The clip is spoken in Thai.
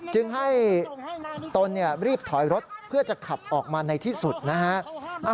จึงให้ตนรีบถอยรถเพื่อจะขับออกมาในที่สุดนะฮะ